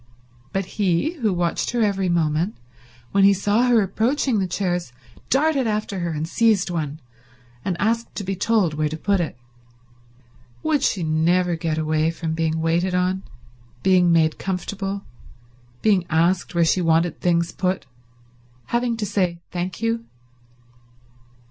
But he, who watched her every movement, when he saw her approaching the chairs darted after her and seized one and asked to be told where to put it. Would she never get away from being waited on, being made comfortable, being asked where she wanted things put, having to say thank you?